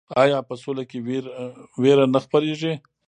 آیا په سوله کې ویره نه خپریږي؟